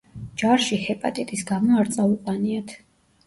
ჯარში ჰეპატიტის გამო არ წაუყვანიათ.